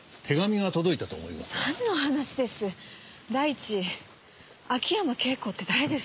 だいいち秋山圭子って誰です？